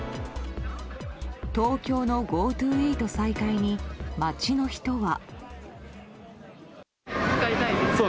東京のＧｏＴｏイート再開に街の人は。